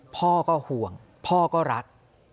พ่อก็ห่วงพ่อก็รัก